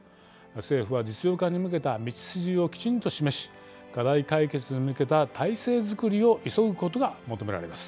政府は実用化に向けた道筋をきちんと示し課題解決に向けた体制作りを急ぐことが求められます。